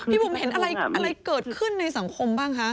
บุ๋มเห็นอะไรเกิดขึ้นในสังคมบ้างคะ